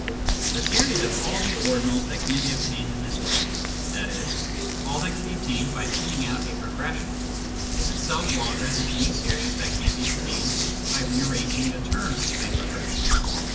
The series of all the ordinals that can be obtained in this way, i.e. all that can be obtained by thinning out a progression, is itself longer than any series that can be obtained by re arranging the terms of a progression.